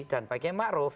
dan pak kemaruf